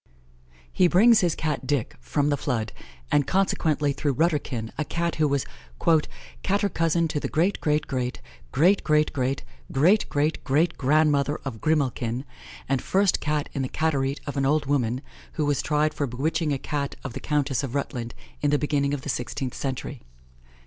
He brings his Cat, Dick, from the Flood, and consequently through Rutterkin, a Cat who was "cater cousin to the great great great great great great great great great grandmother of Grimalkin, and first Cat in the Caterie of an old woman, who was tried for bewitching a daughter of the Countess of Rutland, in the beginning of the sixteenth century."